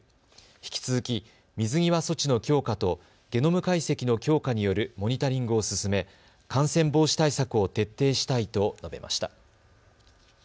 引き続き水際措置の強化とゲノム解析の強化によるモニタリングを進め感染防止対策を徹底したいと述べました。